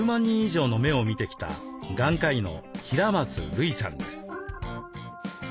人以上の目を診てきた眼科医の平松類さんです。